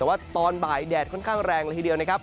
แต่ว่าตอนบ่ายแดดค่อนข้างแรงละทีเดียวนะครับ